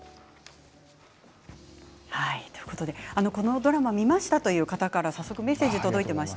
このドラマ見ましたという方から早速メッセージが届いています。